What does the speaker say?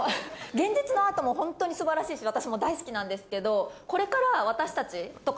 現実のアートもホントに素晴らしいし私も大好きなんですけどこれから私たちとか。